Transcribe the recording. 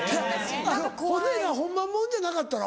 骨がホンマもんじゃなかったろ？